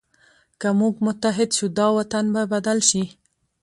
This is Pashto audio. که موږ متحد شو، دا وطن به بدل شي.